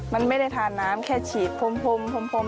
มันไม่ได้ทานน้ำแค่ฉีดพรม